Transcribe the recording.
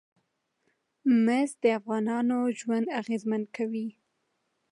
مس د افغانانو ژوند اغېزمن کوي.